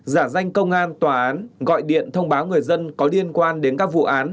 giả danh công an tòa án gọi điện thông báo người dân có liên quan đến các vụ án